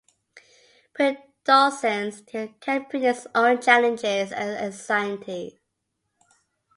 Preadolescence can bring its own challenges and anxieties.